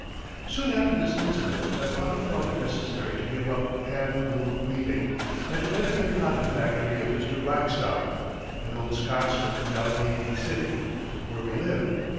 Soon after this incident my father found it necessary to give up hand loom weaving and to enter the cotton factory of Mr. Blackstock, an old Scotsman in Allegheny City, where we lived.